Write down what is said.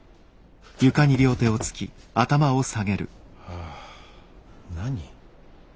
ああ何？